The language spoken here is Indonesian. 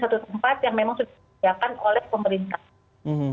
satu tempat yang memang sudah disediakan oleh pemerintah